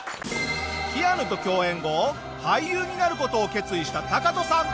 キアヌと共演後俳優になる事を決意したタカトさん。